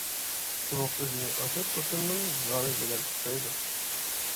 ئۇرۇق ئۆزىنى ئاشۇ توتېمنىڭ نامى بىلەن ئاتايدۇ.